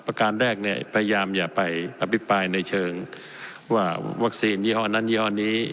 การแรกเนี่ยพยายามอย่าไปอภิปรายในเชิงว่าวัคซีนยี่ห้อนั้นยี่ห้อนี้